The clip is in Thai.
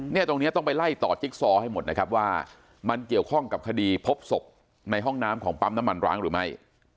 ตรงนี้ต้องไปไล่ต่อจิ๊กซอให้หมดนะครับว่ามันเกี่ยวข้องกับคดีพบศพในห้องน้ำของปั๊มน้ำมันร้างหรือไม่